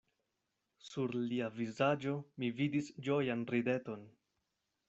Sur lia vizaĝo mi vidis ĝojan rideton.